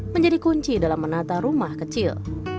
menjadi kunci dalam menata rumah kecil